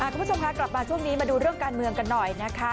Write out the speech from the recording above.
คุณผู้ชมค่ะกลับมาช่วงนี้มาดูเรื่องการเมืองกันหน่อยนะคะ